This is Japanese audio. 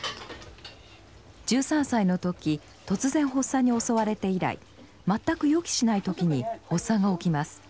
１３歳の時突然発作に襲われて以来全く予期しない時に発作が起きます。